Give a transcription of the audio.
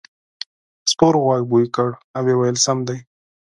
سپور غوږ بوی کړ او وویل سم دی.